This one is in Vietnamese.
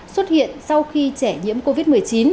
xuất hiện sau khi trẻ nhiễm covid một mươi chín